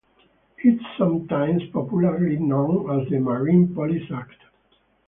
It is sometimes popularly known as the Marine Police Act.